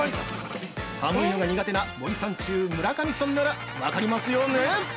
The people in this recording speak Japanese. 寒いのが苦手な森三中・村上さんなら分かりますよね？